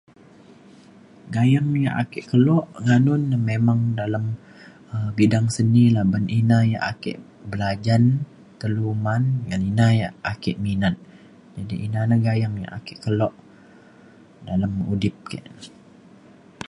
Gayeng yak ake kelo nganun na memang dalem um bidang seni la. Ban ina yak ake belajan telu uman dan ina yak ake minat jadi ina na gayeng yak ake kelo dalem udip ke.